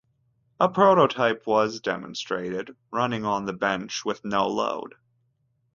A prototype was demonstrated, running on the bench with no load.